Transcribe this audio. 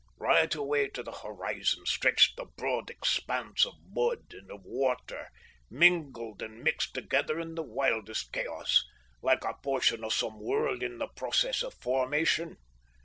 Right away to the horizon stretched the broad expanse of mud and of water, mingled and mixed together in the wildest chaos, like a portion of some world in the process of formation.